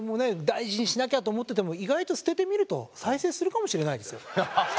大事にしなきゃと思ってても意外と捨ててみると再生するかもしれないですよ。